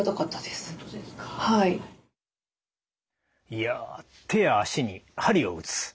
いや手や足に鍼を打つ。